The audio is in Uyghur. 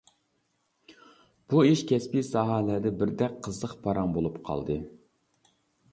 بۇ ئىش كەسپى ساھەلەردە بىردەك قىزىق پاراڭ بولۇپ قالدى.